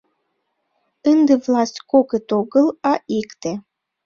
— Ынде власть кокыт огыл, а икте.